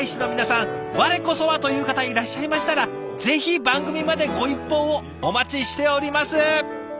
我こそは！という方いらっしゃいましたらぜひ番組までご一報をお待ちしております！